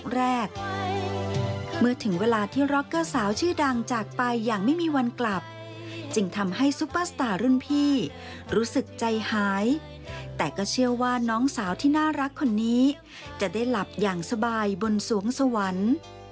แรกเมื่อถึงเวลาที่ร็อกเกอร์สาวชื่อดังจากไปอย่างไม่มีวันกลับจึงทำให้ซุปเปอร์สตาร์รุ่นพี่รู้สึกใจหายแต่ก็เชื่อว่าน้องสาวที่น่ารักคนนี้จะได้หลับอย่างสบายบนสวงสวรรค์